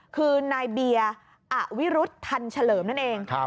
คือนายเบียร์อวิรุธทันเฉลิมนั่นเอง